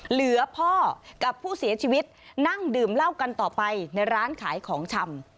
เหลือพ่อกับผู้เสียชีวิตนั่งดื่มเหล้ากันต่อไปในร้านขายของชำ